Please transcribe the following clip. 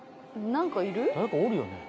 何かいる？